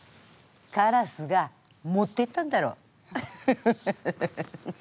カラスが持っていったんだろ？